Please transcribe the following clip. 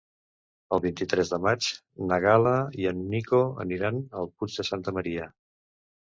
El vint-i-tres de maig na Gal·la i en Nico aniran al Puig de Santa Maria.